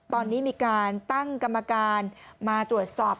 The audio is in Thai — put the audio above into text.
ตอนนี้มีการตั้งกรรมการมาตรวจสอบ